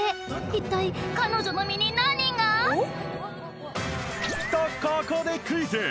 一体彼女の身に何が！？とここでクイズ